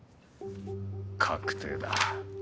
確定だ。